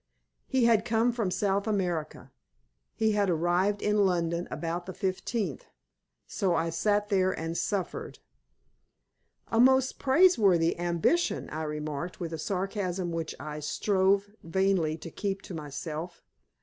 He had come from South America. He had arrived in London about the 15th. So I sat there and suffered. "A most praiseworthy ambition," I remarked, with a sarcasm which I strove vainly to keep to myself.